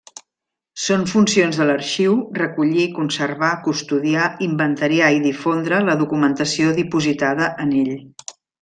Són funcions de l’arxiu recollir, conservar, custodiar, inventariar i difondre la documentació dipositada en ell.